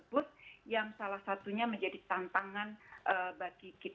kita harus melakukan evakuasi dengan baik